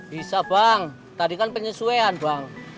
bisa bang tadi kan penyesuaian bang